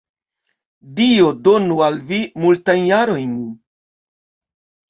Dio donu al vi multajn jarojn!